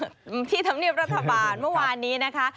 ที่ธรรมเนียบรัฐบาลเมื่อวานนี้นะคะ